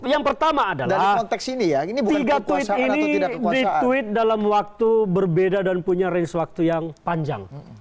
yang pertama adalah tiga tweet ini di tweet dalam waktu berbeda dan punya range waktu yang panjang